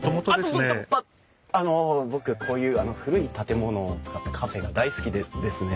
あの僕こういう古い建物を使ったカフェが大好きでですね。